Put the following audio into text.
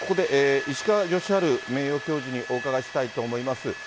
ここで石川芳治名誉教授にお伺いしたいと思います。